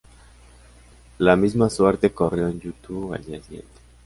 La misma suerte corrió en YouTube al día siguiente.